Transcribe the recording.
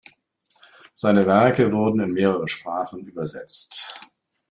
Seine Werke wurden in mehrere Sprachen übersetzt.